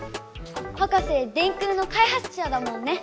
博士電空の開発者だもんね。